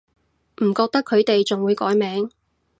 唔覺得佢哋仲會改名